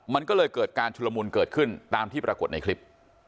มันก็เลยเกิดการชุลมุนเกิดขึ้นตามที่ปรากฏในคลิป